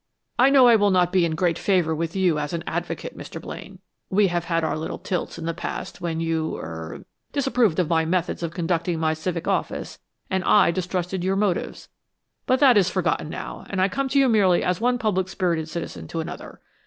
"I know I will not be in great favor with you as an advocate, Mr. Blaine. We have had our little tilts in the past, when you er disapproved of my methods of conducting my civic office and I distrusted your motives, but that is forgotten now, and I come to you merely as one public spirited citizen to another.